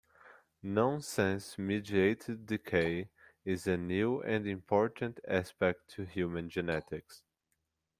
Nonsense-mediated decay is a new and important aspect to human genetics.